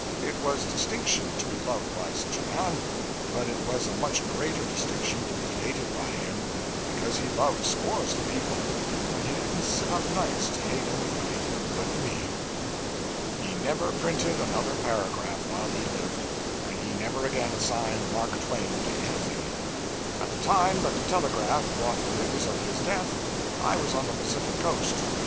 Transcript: It was distinction to be loved by such a man; but it was a much greater distinction to be hated by him, because he loved scores of people; but he didn't sit up nights to hate anybody but me. He never printed another paragraph while he lived, and he never again signed 'Mark Twain' to anything. At the time that the telegraph brought the news of his death, I was on the Pacific coast.